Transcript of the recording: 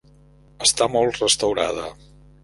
Està molt restaurada.